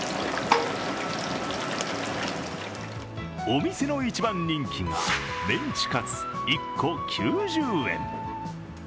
お店の一番人気がメンチカツ１個９０円。